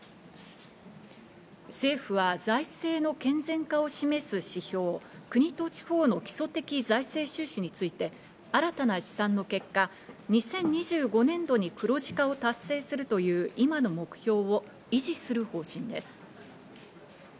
政府は財政の健全化を示す指標、国と地方の基礎的財政収支について、新たな試算の結果、２０２５年度に黒字化を達成するという今の目標を維持する方針です。